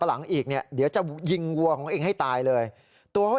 หลังอีกเนี่ยเดี๋ยวจะยิงวัวของเองให้ตายเลยตัวเขา